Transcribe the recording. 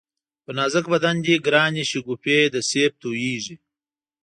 پر نازک بدن دی گرانی شگوفې د سېب تویېږی